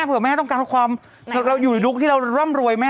เผื่อแม่ต้องการความเราอยู่ในยุคที่เราร่ำรวยแม่